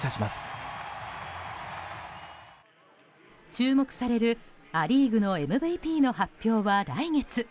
注目される、ア・リーグのＭＶＰの発表は来月。